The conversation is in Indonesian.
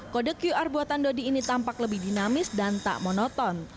kode qr buatan dodi ini tampak lebih dinamis dan tak monoton